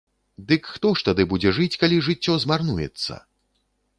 Дык хто ж тады будзе жыць, калі жыццё змарнуецца?